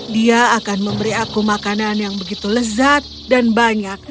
dia akan memberi aku makanan yang begitu lezat dan banyak